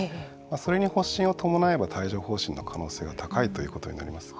それに発疹を伴えば帯状ほう疹の可能性が高いということになります。